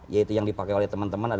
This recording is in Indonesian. yaitu yang dipakai oleh teman teman